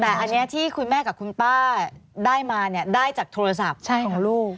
แต่อันนี้ที่คุณแม่กับคุณป้าได้มาเนี่ยได้จากโทรศัพท์ของลูก